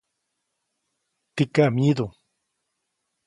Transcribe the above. ¿tikam myidu?